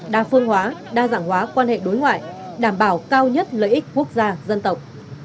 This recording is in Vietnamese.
đa phương hóa đa dạng hóa quan hệ đối ngoại đảm bảo cao nhất lợi ích quốc gia dân tộc